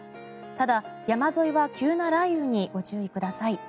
ただ、山沿いは急な雷雨にご注意ください。